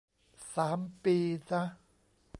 สามปี นะ